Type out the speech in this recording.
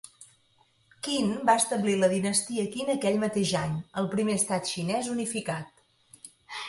Qin va establir la dinastia Qin aquell mateix any, el primer estat xinès unificat.